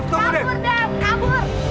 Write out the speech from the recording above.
kabur dev kabur